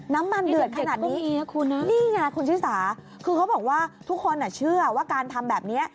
น้ำมันเดือดขนาดนี้นี่ไงคุณชิสาคือเขาบอกว่าทุกคนเชื่อว่าการทำแบบนี้